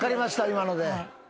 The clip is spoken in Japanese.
今ので。